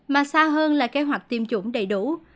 mà xa hơn là kế hoạch tiêm chủng đầy đủ